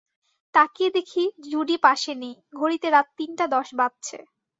তাকিয়ে দেখি জুডি পাশে নেই, ঘড়িতে রাত তিনটা দশ বাজছে।